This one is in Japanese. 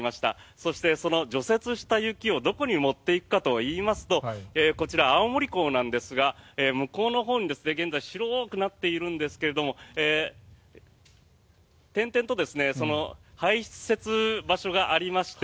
そして、その除雪した雪をどこに持っていくかといいますとこちら青森港なんですが向こうのほうに現在、白くなっているんですが転々と排雪場所がありまして